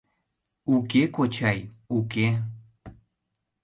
— Уке, кочай, уке.